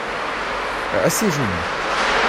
Assez joli.